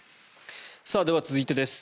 では、続いてです。